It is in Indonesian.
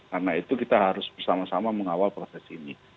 karena itu kita harus bersama sama mengawal proses ini